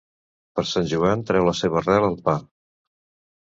Per Sant Joan treu la seva arrel el pa.